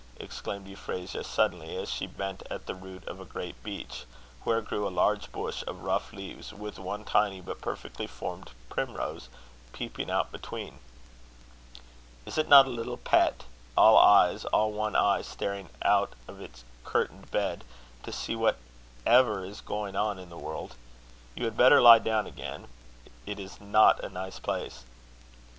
exclaimed Euphrasia suddenly, as she bent at the root of a great beech, where grew a large bush of rough leaves, with one tiny but perfectly formed primrose peeping out between. "Is it not a little pet? all eyes all one eye staring out of its curtained bed to see what ever is going on in the world. You had better lie down again: it is not a nice place."